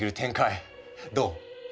どう？